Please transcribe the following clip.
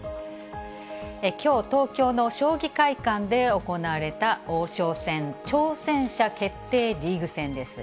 きょう、東京の将棋会館で行われた王将戦挑戦者決定リーグ戦です。